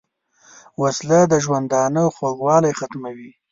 وسله د ژوندانه خوږوالی ختموي